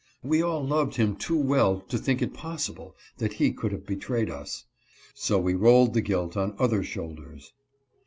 We all loved him too well to think it possible that he could have betrayed us. So we rolled the guilt on other shoulders.